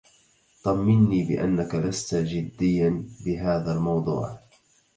طمني بأنك لست جدياً بهذا الموضوع.